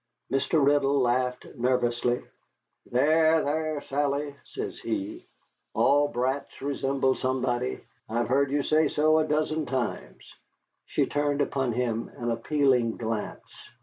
Mr. Riddle laughed nervously. "There, there, Sally," says he, "all brats resemble somebody. I have heard you say so a dozen times." She turned upon him an appealing glance.